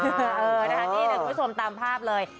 นี่คุณผู้ชมตามภาพเลย